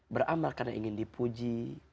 beramal karena ingin dipuji